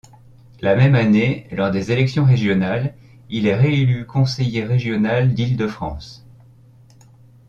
La même année, lors les élections régionales il est réélu conseiller régional d'Île-de-France.